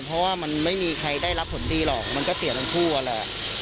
เพราะว่ามันไม่มีใครได้รับผลดีหรอกมันก็เสียทั้งคู่อะแหละ